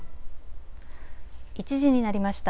１時になりました。